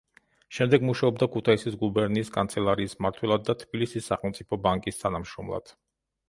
შემდეგ მუშაობდა ქუთაისის გუბერნიის კანცელარიის მმართველად და თბილისის სახელმწიფო ბანკის თანამშრომლად.